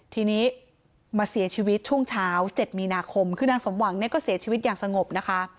ทีนี้มาเสียชีวิตช่วงเช้า๗มีนาคมคือนางสมหวังเนี่ยก็เสียชีวิตอย่างสงบนะคะ